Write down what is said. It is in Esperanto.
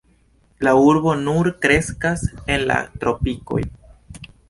La arbo nur kreskas en la tropikoj.